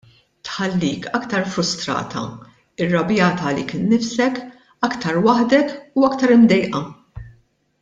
Tħallik aktar frustrata, irrabjata għalik innifsek, aktar waħdek u aktar imdejqa.